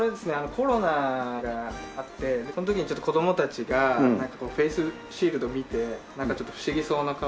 コロナがあってその時にちょっと子供たちがフェースシールドを見てなんかちょっと不思議そうな顔をしてて。